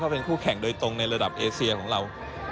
เป็นคู่แข่งโดยตรงในระดับเอเซียของเรา